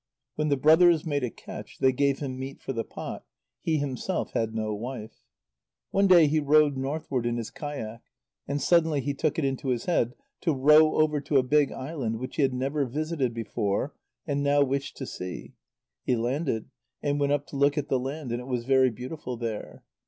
When the brothers made a catch, they gave him meat for the pot; he himself had no wife. One day he rowed northward in his kayak, and suddenly he took it into his head to row over to a big island which he had never visited before, and now wished to see. He landed, and went up to look at the land, and it was very beautiful there.